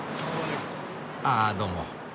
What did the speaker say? ああどうも。